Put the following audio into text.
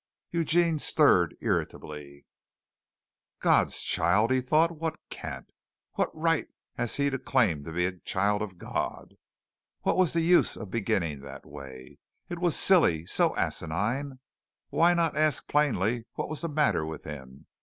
Eugene stirred irritably. "God's child," he thought; "what cant!" What right had he to claim to be a child of God? What was the use of beginning that way? It was silly, so asinine. Why not ask plainly what was the matter with him?